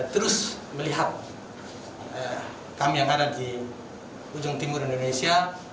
terus melihat kami yang ada di ujung timur indonesia